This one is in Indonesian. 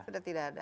sudah tidak ada